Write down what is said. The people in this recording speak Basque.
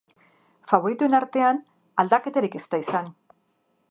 Faboritoen artean aldaketarik ez da izan.